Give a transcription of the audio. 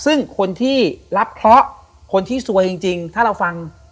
ซึ่งคนที่รับเคราะห์คนที่ซวยจริงถ้าเราฟัง